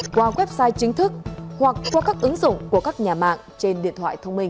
qua website chính thức hoặc qua các ứng dụng của các nhà mạng trên điện thoại thông minh